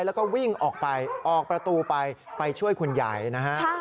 แล้วก็วิ่งออกไปออกประตูไปไปช่วยคุณยายนะฮะ